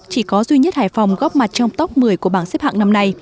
chỉ có duy nhất hải phòng góp mặt trong top một mươi của bảng xếp hạng